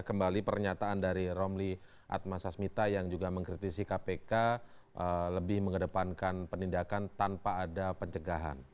kembali pernyataan dari romli atma sasmita yang juga mengkritisi kpk lebih mengedepankan penindakan tanpa ada pencegahan